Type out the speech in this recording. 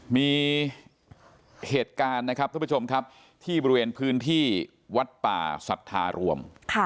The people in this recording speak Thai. มีเหตุการณ์นะครับท่านผู้ชมครับที่บริเวณพื้นที่วัดป่าสัทธารวม